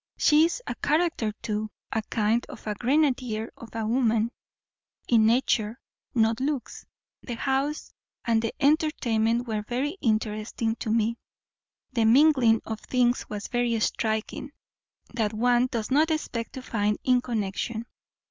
She is a character too; a kind of a grenadier of a woman, in nature, not looks. The house and the entertainment were very interesting to me; the mingling of things was very striking, that one does not expect to find in connection.